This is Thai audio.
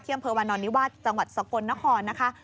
อำเภอวานอนนิวาสจังหวัดสกลนครนะคะ